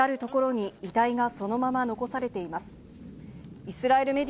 至るところに遺体がそのまま残されています。